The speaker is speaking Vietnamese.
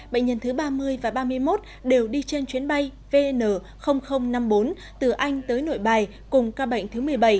bệnh nhân thứ ba mươi và ba mươi một đều đi trên chuyến bay vn năm mươi bốn từ anh tới nội bài cùng ca bệnh thứ một mươi bảy